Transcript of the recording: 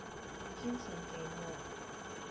捐錢給我